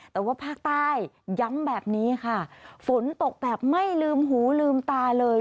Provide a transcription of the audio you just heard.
แต่ว่าภาคใต้ย้ำแบบนี้ค่ะฝนตกแบบไม่ลืมหูลืมตาเลย